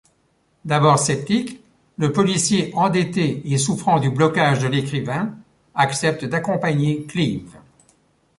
D'abord sceptique, le policier, endetté et souffrant du blocage de l'écrivain, accepte d'accompagner Cleve.